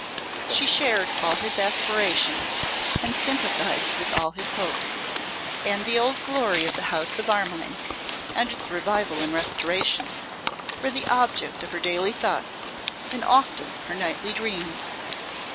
She shared all his aspirations and sympathised with all his hopes; and the old glory of the house of Armine, and its revival and restoration, were the object of her daily thoughts, and often of her nightly dreams.